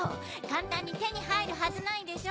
簡単に手に入るはずないでしょ。